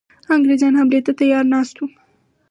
انګرېزان حملې ته تیار ناست وه.